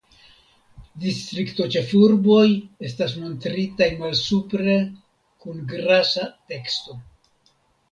Distriktoĉefurboj estas montritaj malsupre kun grasa teksto.